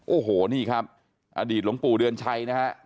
โอ้โหนี่ครับอดีตหลวงปู่เดือนชัยนะฮะ